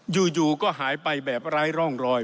อยู่ก็หายไปแบบไร้ร่องรอย